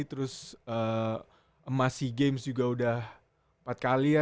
terus emas seagames juga udah empat kali ya